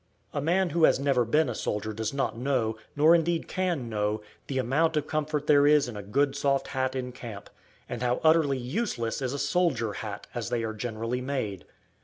A man who has never been a soldier does not know, nor indeed can know, the amount of comfort there is in a good soft hat in camp, and how utterly useless is a "soldier hat" as they are generally made.